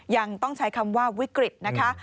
ยังต้องใช้คำว่าวิกฤตนะคะ